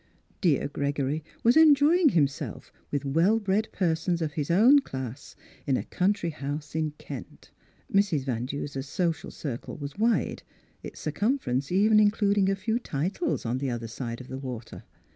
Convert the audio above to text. Dear Gregory was enjoying himself with well bred persons of his own class in a country house in Kent. Mrs. Van Du ser's social circle was wide, its circumfer ence even including a few titles on the other side of the water.